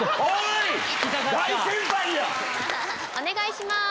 お願いします。